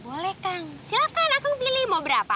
boleh kang silahkan akang pilih mau berapa